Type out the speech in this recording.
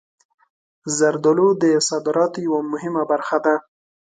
زردالو د صادراتو یوه مهمه برخه ده.